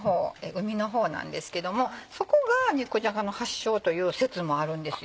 海の方なんですけどもそこが肉じゃがの発祥という説もあるんですよ。